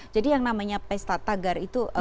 jadi yang namanya pesta tagar itu